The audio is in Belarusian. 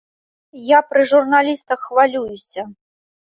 Я пры журналістах хвалююся.